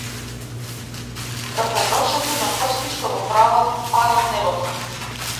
Како вршоци на прсти што го параат небото.